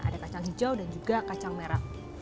ada kacang hijau dan juga kacang merah